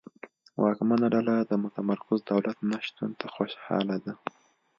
واکمنه ډله د متمرکز دولت نشتون ته خوشاله ده.